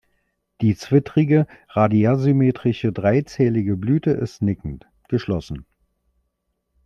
Die zwittrige, radiärsymmetrische, dreizählige Blüte ist nickend, geschlossen.